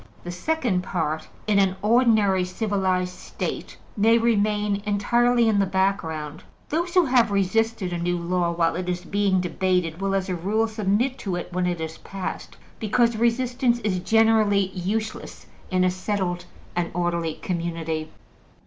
The second part, in an ordinary civilized State, may remain entirely in the background: those who have resisted a new law while it was being debated will, as a rule, submit to it when it is passed, because resistance is generally useless in a settled and orderly community.